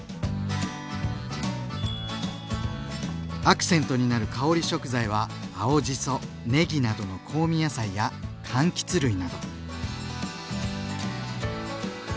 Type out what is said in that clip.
アクセントになる香り食材は青じそねぎなどの香味野菜や柑橘類など。